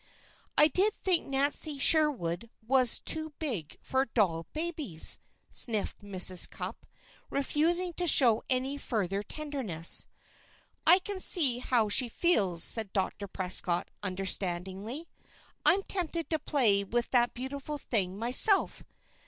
"I did think Nancy Sherwood was too big for doll babies!" sniffed Mrs. Cupp, refusing to show any further tenderness. "I can see how she feels," said Dr. Prescott, understandingly. "I'm tempted to play with that beautiful thing myself.